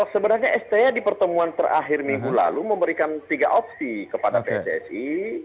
sebenarnya sti di pertemuan terakhir minggu lalu memberikan tiga opsi kepada pssi